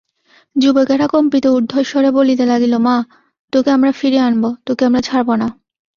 যুবকেরা কম্পিত ঊর্ধ্বস্বরে বলিতে লাগিল মা, তোকে আমরা ফিরিয়ে আনব–তোকে আমরা ছাড়ব না।